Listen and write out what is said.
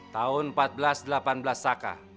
tahun seribu empat ratus delapan belas saka